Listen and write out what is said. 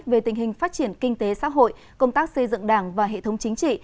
về tình hình phát triển kinh tế xã hội công tác xây dựng đảng và hệ thống chính trị